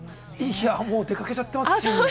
いや、もう出掛けちゃってますし。